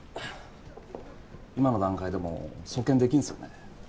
今の段階でも送検出来んですよね。